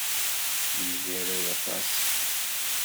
Yemgarad aṭas.